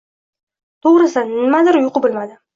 To‘g‘risi, nimadir — uyqu bilmadi